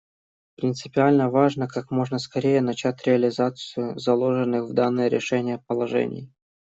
Принципиально важно как можно скорее начать реализацию заложенных в данное решение положений.